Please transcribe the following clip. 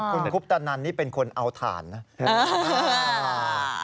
คุณคุปตนันนี่เป็นคนเอาถ่านนะ